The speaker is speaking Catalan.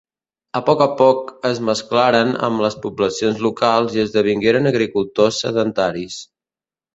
A poc a poc, es mesclaren amb les poblacions locals i esdevingueren agricultors sedentaris.